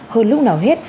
hơn lúc nào hết